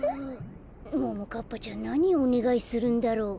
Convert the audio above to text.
ももかっぱちゃんなにおねがいするんだろう。